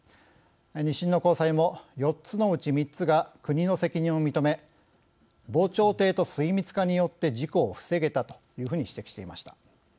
２審の高裁も４つのうち３つが国の責任を認め防潮堤と水密化によって事故を防げたというふうに指摘していました。